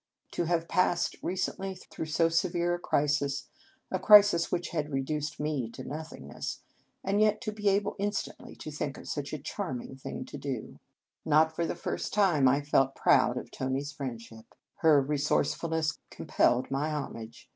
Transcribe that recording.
To have passed recently through so severe a crisis, a crisis which had reduced me to nothing ness; and yet to be able instantly to think of such a charming thing to do. 141 In Our Convent Days Not for the first time, I felt proud of Tony s friendship. Her resourceful ness compelled my homage.